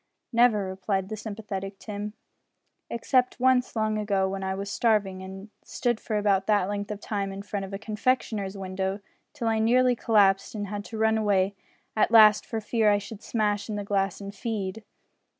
"Never," replied the sympathetic Tim, "except once long ago when I was starving, and stood for about that length of time in front of a confectioner's window till I nearly collapsed and had to run away at last for fear I should smash in the glass and feed."